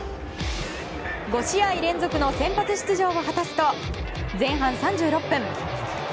５試合連続の先発出場を果たすと前半３６分。